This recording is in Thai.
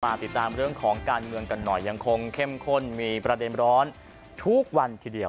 ติดตามเรื่องของการเมืองกันหน่อยยังคงเข้มข้นมีประเด็นร้อนทุกวันทีเดียว